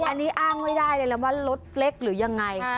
อันนี้อ้างไม่ได้เลยแล้วว่ารถเล็กหรือยังไง